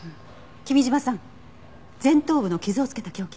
君嶋さん前頭部の傷を付けた凶器は？